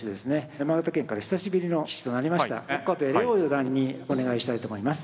山形県から久しぶりの棋士となりました岡部怜央四段にお願いしたいと思います。